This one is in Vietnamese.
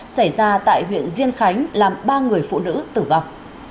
xảy ra tại huyện diên khánh làm ba người phụ nữ tử vong